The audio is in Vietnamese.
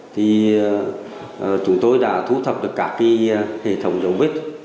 thì chúng tôi đã thu thập được các hệ thống dấu vết